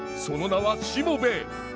その名は「しもべえ」！